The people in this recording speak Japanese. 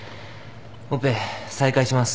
オペ再開します。